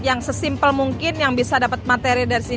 yang sesimpel mungkin yang bisa dapat membuat